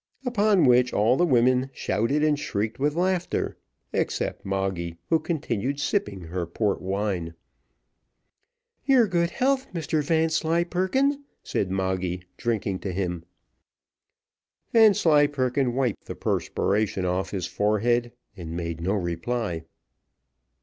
Upon which all the women shouted and shrieked with laughter, except Moggy, who continued sipping her port wine. "Your good health, Mr Vanslyperken," said Moggy, drinking to him. Vanslyperken wiped the perspiration off his forehead, and made no reply.